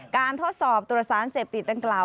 ทดสอบตรวจสารเสพติดดังกล่าว